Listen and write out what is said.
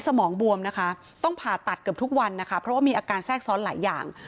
แป้สมองบวมต้องผ่าตัดก็ทุกวันเพราะว่ามีอาการแซ่งซ้อนหลายอย่าง